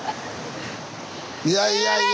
いやいやいや。